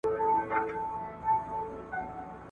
بیا به کله ور ړانده کړي غبرګ لېمه د غلیمانو `